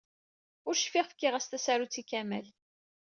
Ur cfiɣ fkiɣ-as tasarut i Kamal.